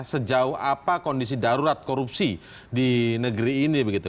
sejauh apa kondisi darurat korupsi di negeri ini begitu